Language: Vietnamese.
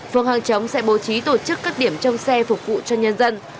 phường hàng chống sẽ bố trí tổ chức các điểm trong xe phục vụ cho nhân dân